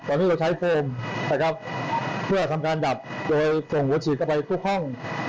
ตอนนี้เราใช้โฟมเพื่อทำการดับจะส่งหัวฉีดเข้าไปทุกห้อง